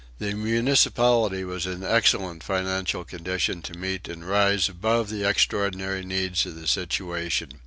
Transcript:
The municipality was in excellent financial condition to meet and rise above the extraordinary needs of the situation.